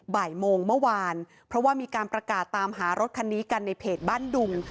บ่ายโมงเมื่อวานเพราะว่ามีการประกาศตามหารถคันนี้กันในเพจบ้านดุง